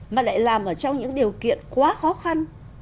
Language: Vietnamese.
mà lại làm ở trong những điều kiện quá khó khăn